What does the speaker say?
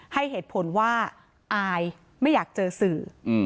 ให้เหตุผลว่าอายไม่อยากเจอสื่อ